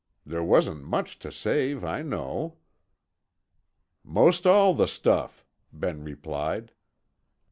There wasn't much to save, I know." "Most all the stuff," Ben replied.